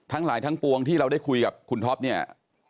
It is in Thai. ทั้งหลายทั้งปวงที่เราได้คุยกับคุณท็อปเนี่ย